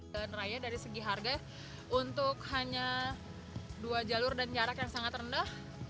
jalan raya dari segi harga untuk hanya dua jalur dan jarak yang sangat rendah